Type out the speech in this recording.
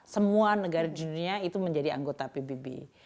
semua negara di dunia itu menjadi anggota pbb